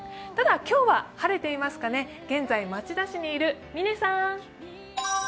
ただ今日は晴れていますかね、現在町田市にいる嶺さん。